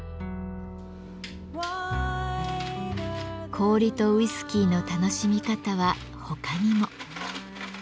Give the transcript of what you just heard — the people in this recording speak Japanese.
氷とウイスキーの楽しみ方は他にも。